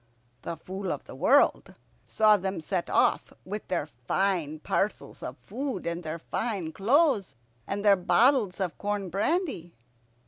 The Fool of the World saw them set off, with their fine parcels of food, and their fine clothes, and their bottles of corn brandy.